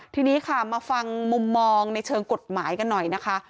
ทีนี้ค่ะมาฟังมุมมองในเชิงกฎหมายกันหน่อยนะคะ